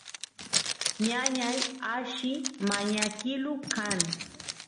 ñañay alli mañakilu kan